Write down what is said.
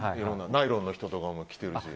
ナイロンの人とかも来てるし。